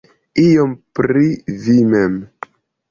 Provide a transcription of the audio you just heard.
Iom pri vi mem.